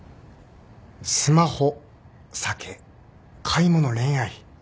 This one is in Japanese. スマホ酒買い物恋愛。